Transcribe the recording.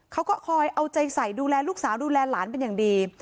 เขาก็คอยเอาใจใส่ดูแลลูกสาวดูแลหลานเป็นอย่างดี